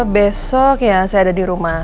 besok ya saya ada di rumah